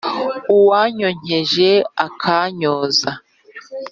uwanyonkeje akanyoza